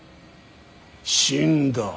死んだ。